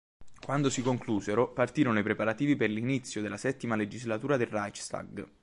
Quando si conclusero, partirono i preparativi per l'inizio della settima legislatura del Reichstag.